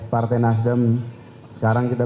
partai nasdem sekarang kita